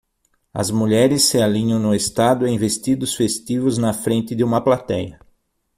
As mulheres se alinham no estado em vestidos festivos na frente de uma platéia.